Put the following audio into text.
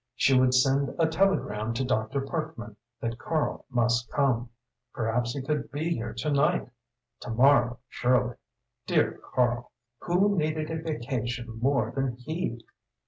She would send a telegram to Dr. Parkman that Karl must come. Perhaps he could be here to night; to morrow, surely. Dear Karl who needed a vacation more than he?